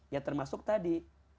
ya termasuk tadi